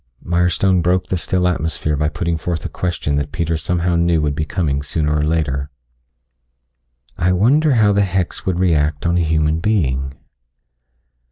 Mirestone broke the still atmosphere by putting forth a question that Peter somehow knew would be coming sooner or later. "I wonder how the hex would react on a human being?"